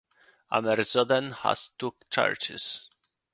Ammerzoden has two churches.